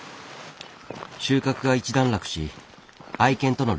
収穫が一段落し愛犬との旅行だそう。